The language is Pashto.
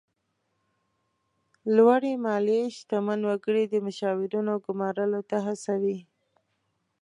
لوړې مالیې شتمن وګړي د مشاورینو ګمارلو ته هڅوي.